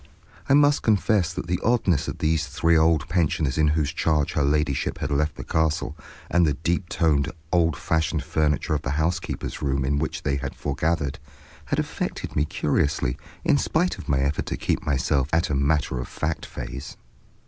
I must confess that the oddness of these three old pensioners in whose charge her ladyship had left the castle, and the deep toned, old fashioned furniture of the housekeeper's room, in which they foregathered, had affected me curiously in spite of my effort to keep myself at a matter of fact phase.